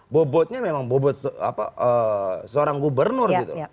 bobotnya memang seorang gubernur